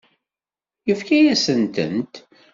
Yefka-yasent-tent.